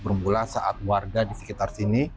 bermula saat warga di sekitar sini